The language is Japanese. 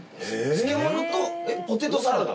漬物とポテトサラダ？